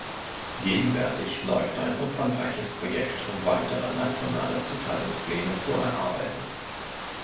Gegenwärtig läuft ein umfangreiches Projekt, um weitere nationale Zuteilungspläne zu erarbeiten.